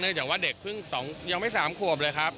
เนื่องจากว่าเด็กยังไม่สามขวบเลยครับ